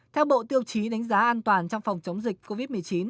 theo bộ tiêu chí đánh giá an toàn trong phòng chống dịch covid một mươi chín